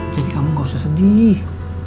jadi kamu gak usah sedih